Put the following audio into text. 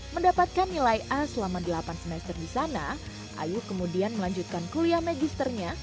mendapatkan nilai a selama delapan semester di sana ayu kemudian melanjutkan kuliah magisternya